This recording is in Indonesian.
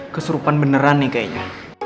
keserupan beneran nih kayaknya